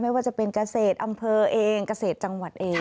ไม่ว่าจะเป็นเกษตรอำเภอเองเกษตรจังหวัดเอง